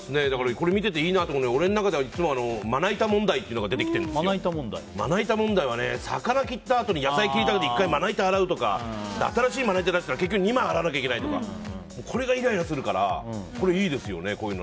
これ見てていいなと思うのは俺の中ではいつもまな板問題っていうのがあってまな板問題は、魚切ったあとに野菜を切りたくて１回、洗うとか新しいのを出すと２枚洗わないといけないとかこれがイライラするからあったらいいですよね。